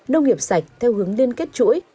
nông nghiệp sạch theo hướng liên kết chuỗi